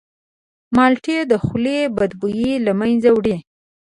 مالټې د خولې بدبویي له منځه وړي.